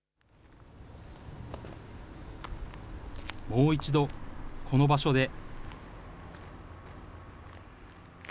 もう一度、この場所で。